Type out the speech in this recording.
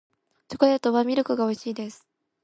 チョコレートはミルクが美味しいです